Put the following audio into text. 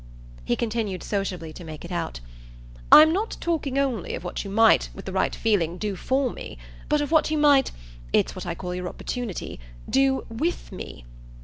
'" He continued sociably to make it out. "I'm not talking only of what you might, with the right feeling, do FOR me, but of what you might it's what I call your opportunity do WITH me.